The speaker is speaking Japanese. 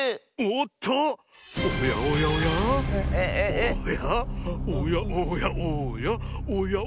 おやおや